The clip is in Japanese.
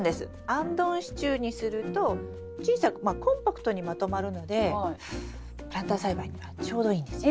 あんどん支柱にすると小さくコンパクトにまとまるのでプランター栽培にはちょうどいいんですよ。